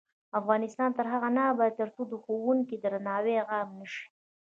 افغانستان تر هغو نه ابادیږي، ترڅو د ښوونکي درناوی عام نشي.